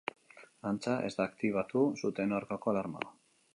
Antza, ez da aktibatu suteen aurkako alarma.